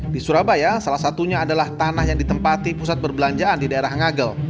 di surabaya salah satunya adalah tanah yang ditempati pusat perbelanjaan di daerah ngagel